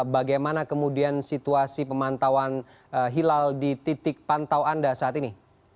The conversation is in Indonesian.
bagaimana kemudian situasi pemantauan hilal di titik pantau anda saat ini